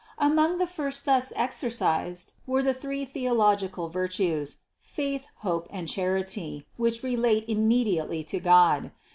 Among 184 THE CONCEPTION 185 the first thus exercised were the three theological vir tues, faith, hope and charity, which relate immediately to God.